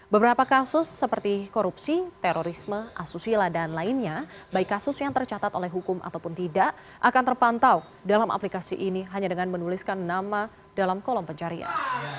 beberapa kasus seperti korupsi terorisme asusila dan lainnya baik kasus yang tercatat oleh hukum ataupun tidak akan terpantau dalam aplikasi ini hanya dengan menuliskan nama dalam kolom pencarian